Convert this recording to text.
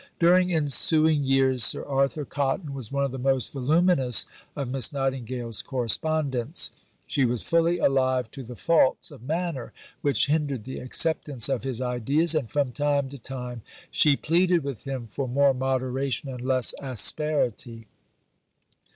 During ensuing years Sir Arthur Cotton was one of the most voluminous of Miss Nightingale's correspondents. She was fully alive to the faults of manner which hindered the acceptance of his ideas, and from time to time she pleaded with him for more moderation and less asperity.